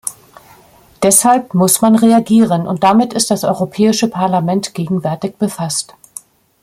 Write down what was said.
Deshalb muss man reagieren, und damit ist das Europäische Parlament gegenwärtig befasst.